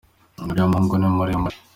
Uriya umuhungu ni muremure.